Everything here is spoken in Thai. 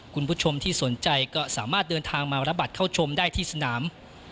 คุณผู้ชมที่สนใจก็สามารถเดินทางมารับบัตรเข้าชมได้ที่สนาม